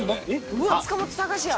「うわっ塚本高史や！」